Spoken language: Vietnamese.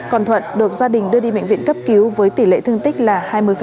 còn thuận được gia đình đưa đi bệnh viện cấp cứu với tỷ lệ thương tích là hai mươi